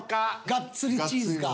がっつりチーズか。